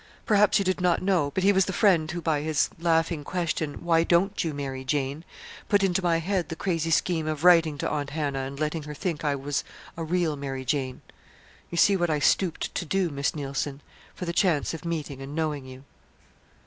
Perhaps you did not know, but he was the friend who, by his laughing question, 'Why don't you, Mary Jane?' put into my head the crazy scheme of writing to Aunt Hannah and letting her think I was a real Mary Jane. You see what I stooped to do, Miss Neilson, for the chance of meeting and knowing you."